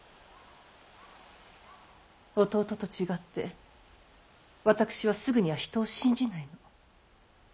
弟と違って私はすぐには人を信じないの。